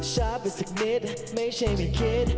ช้าไปสักนิดไม่ใช่ไม่คิด